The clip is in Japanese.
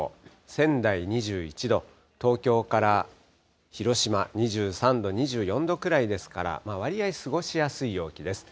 仙台２１度、東京から広島２３度、２４度くらいですから、割合過ごしやすい陽気です。